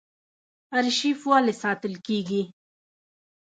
ارشیف ولې ساتل کیږي؟